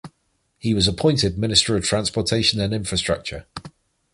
He was appointed Minister of Transportation and Infrastructure.